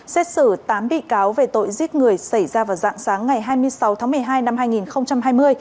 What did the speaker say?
xét xử tám bị cáo về tội giết người xảy ra vào dạng sáng ngày hai mươi sáu tháng một mươi hai năm hai nghìn hai mươi